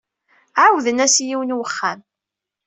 Ɛawden-as i yiwen n wexxam.